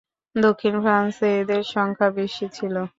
দক্ষিণ ফ্রান্সে এদের সংখ্যা বেশি ছিল।